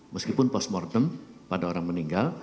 meskipun post mortem pada orang meninggal